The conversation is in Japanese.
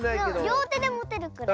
りょうてでもてるくらい。